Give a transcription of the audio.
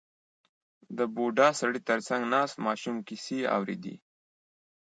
• د بوډا سړي تر څنګ ناست ماشوم کیسې اورېدې.